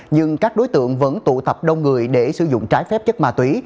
nhưng các đối tượng vẫn tụ tập đông người để sử dụng trái phép chất ma túy